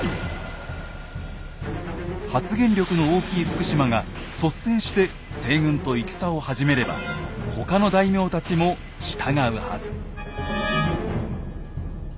発言力の大きい福島が率先して西軍と戦を始めれば他の大名たちも従うはず。